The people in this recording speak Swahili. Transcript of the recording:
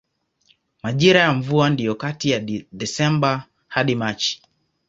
Majira ya mvua ndiyo kati ya Desemba hadi Machi.